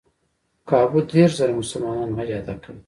کابو دېرش زره مسلمانان حج ادا کوي.